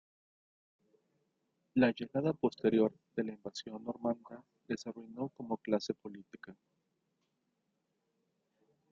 La llegada posterior de la invasión normanda les arruinó como clase política.